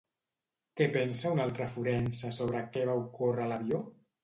Què pensa un altre forense sobre què va ocórrer a l'avió?